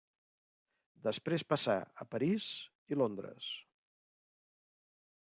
Després passà a París i Londres.